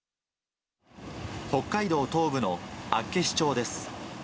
北海道東部の厚岸町です。